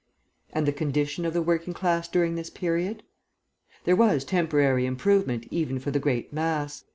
"And the condition of the working class during this period? There was temporary improvement even for the great mass.